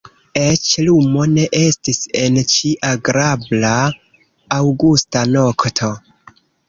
Eĉ lumo ne estis en ĉi agrabla aŭgusta nokto.